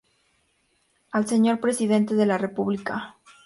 Al señor presidente de la república.